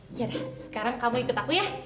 sekarang kamu ikut aku ya